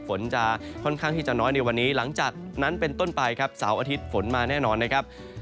ฝนจะค่อนข้างที่จะน้อยในวันนี้หลังจากนั้นเป็นต้นไปครับเสาร์อาทิตย์ฝนมาแน่นอนนะครับ